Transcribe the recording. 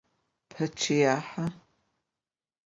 Pe ç'ıhe yi'.